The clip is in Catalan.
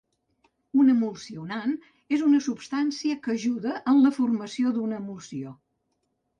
Un emulsionant és una substància que ajuda en la formació d'una emulsió.